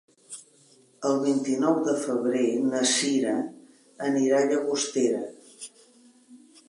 El vint-i-nou de febrer na Cira anirà a Llagostera.